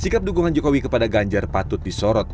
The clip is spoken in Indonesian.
sikap dukungan jokowi kepada ganjar patut disorot